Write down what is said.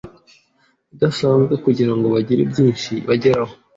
idasanzwe kugira ngo bagire byinshi bageraho.